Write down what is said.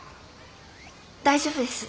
大丈夫です。